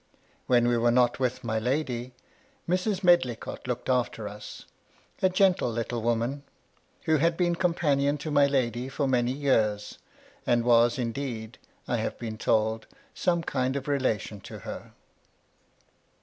When we were not with my lady, Mrs. Medlicott looked after us ; a gentle little woman, who had been companion to my lady for many years, and was indeed, I have been told, some kind of relation to her.